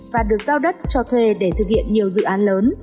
và được giao đất cho thuê để thực hiện nhiều dự án lớn